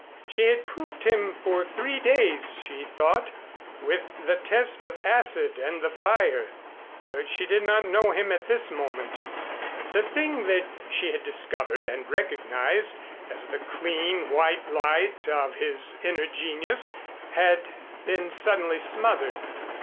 She had proved him for three days, she thought, with the test of acid and the fire, but she did not know him at this moment. The thing that she had discovered and recognized as the clean white light of his inner genius had been suddenly smothered.